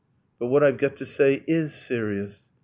'But what I've got to say IS serious!'